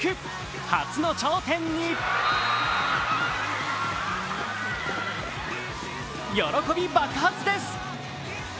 初の頂点に喜び爆発です。